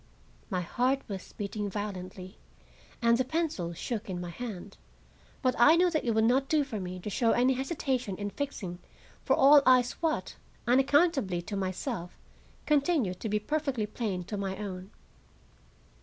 My heart was beating violently, and the pencil shook in my hand, but I knew that it would not do for me to show any hesitation in fixing for all eyes what, unaccountably to myself, continued to be perfectly plain to my own.